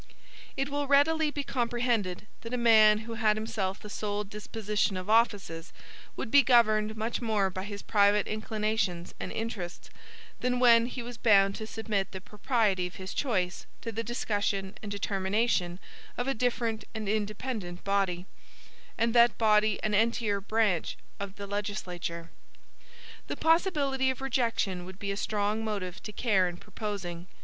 It will readily be comprehended, that a man who had himself the sole disposition of offices, would be governed much more by his private inclinations and interests, than when he was bound to submit the propriety of his choice to the discussion and determination of a different and independent body, and that body an entire branch of the legislature. The possibility of rejection would be a strong motive to care in proposing.